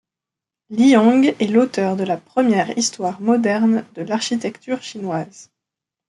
Liang est l'auteur de la première histoire moderne de l'architecture chinoise.